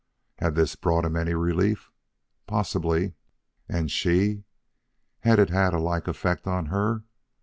Had this brought him any relief? Possibly. And she? Had it had a like effect on her?